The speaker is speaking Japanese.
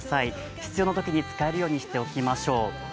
必要なときに使えるようにしておきましょう。